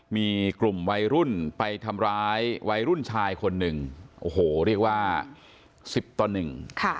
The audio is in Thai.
มีกลุ่มวัยรุ่นไปทำร้ายวัยรุ่นชายคนหนึ่ง